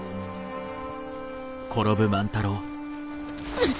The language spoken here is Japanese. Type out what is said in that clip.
うっ！